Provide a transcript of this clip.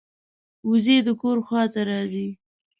وزې د کور خوا ته راځي